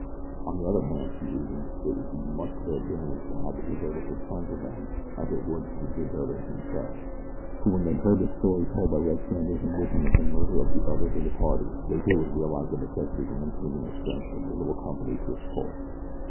On the other hand, he reasoned, it would be as much to their advantage to have the deserters return to them as it would to the deserters themselves, for when they had heard the story told by Red Sanders and Wison of the murder of the others of the party they too would realize the necessity for maintaining the strength of the little company to its fullest.